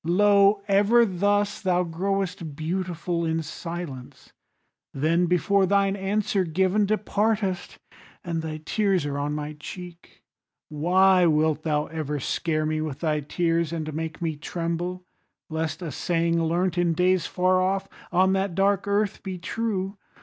Lo! ever thus thou growest beautiful In silence, then before thine answer given Departest, and thy tears are on my cheek. Why wilt thou ever scare me with thy tears, And make me tremble lest a saying learnt, In days far off, on that dark earth, be true?